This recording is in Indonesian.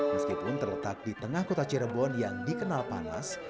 meskipun terletak di tengah kota cirebon yang dikenal panas